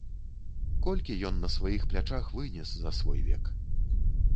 Колькі ён на сваіх плячах вынес за свой век.